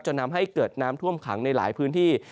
ทำให้เกิดน้ำท่วมขังในหลายพื้นที่